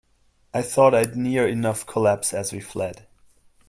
I thought I'd near enough collapse as we fled.